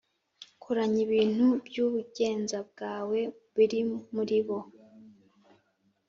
Koranya ibintu by ubugenza bwawe biri muri bo